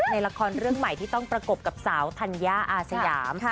ในละครเรื่องใหม่ที่ต้องประกบกับสาวธัญญาอาสยาม